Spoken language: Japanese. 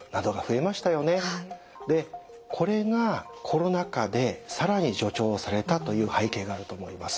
でこれがコロナ化で更に助長されたという背景があると思います。